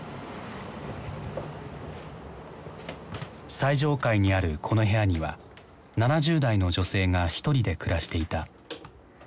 最上階にあるこの部屋には７０代の女性がひとりで暮らしていた。